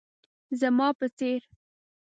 زما په څير